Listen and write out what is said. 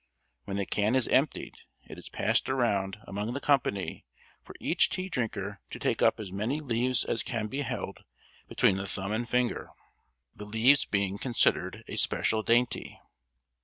When the can is emptied it is passed around among the company for each tea drinker to take up as many leaves as can be held between the thumb and finger; the leaves being considered a special dainty.